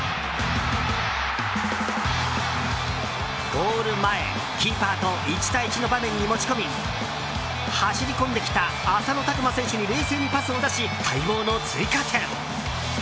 ゴール前、キーパーと１対１の場面に持ち込み走り込んできた浅野拓磨選手に冷静にパスを出し、待望の追加点。